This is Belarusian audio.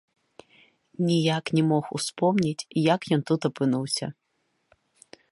Ніяк не мог успомніць, як ён тут апынуўся.